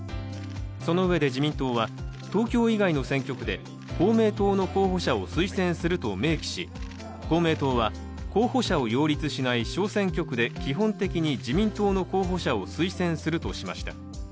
そのうえで自民党は東京以外の選挙区で公明党の候補者を推薦すると明記し公明党は候補者を擁立しない小選挙区で基本的に自民党の候補者を推薦するとしました。